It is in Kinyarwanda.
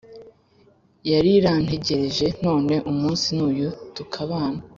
Yarirantegereje none umunsi nuyu tukabana